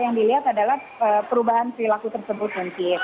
yang dilihat adalah perubahan perilaku tersebut mungkin